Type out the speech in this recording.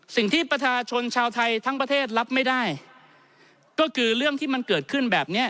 สิ่งที่ประชาชนชาวไทยทั้งประเทศรับไม่ได้ก็คือเรื่องที่มันเกิดขึ้นแบบเนี้ย